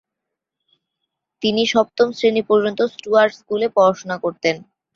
সপ্তম শ্রেণী পর্যন্ত স্টুয়ার্ট স্কুলে পড়াশোনা করতেন।